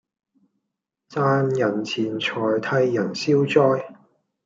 賺人錢財替人消災